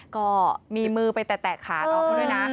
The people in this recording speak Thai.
ก็มีมือไปแตะขาน้องเขาด้วยนะ